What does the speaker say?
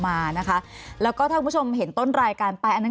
มานะคะแล้วก็ถ้าคุณผู้ชมเห็นต้นรายการไปอันนั้น